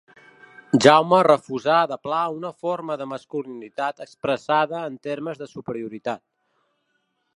Jaume refusà de pla una forma de masculinitat expressada en termes de superioritat.